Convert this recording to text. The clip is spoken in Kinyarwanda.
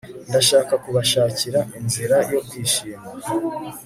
Ndashaka kubashakira inzira yo kwishima